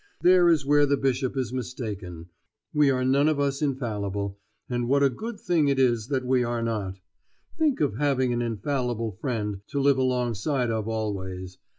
There is where the Bishop is mistaken; we are none of us infallible, and what a good thing it is that we are not. Think of having an infallible friend to live alongside of always!